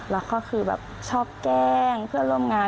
แล้วก็คือแบบชอบแกล้งเพื่อนร่วมงาน